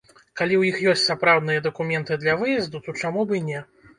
Калі ў іх ёсць сапраўдныя дакументы для выезду, то чаму б і не?